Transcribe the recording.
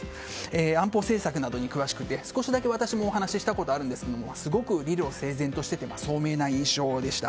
安保政策などに詳しくて少しだけ私もお話したことがあるんですけどすごく理路整然として聡明な印象でした。